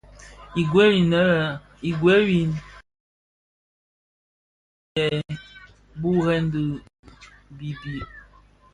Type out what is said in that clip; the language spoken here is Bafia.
Ighel win, wuê kikilè zi yè burèn di bibid.